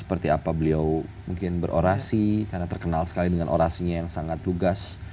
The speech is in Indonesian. seperti apa beliau mungkin berorasi karena terkenal sekali dengan orasinya yang sangat lugas